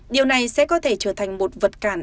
điều này sẽ có thể trở thành một vật cản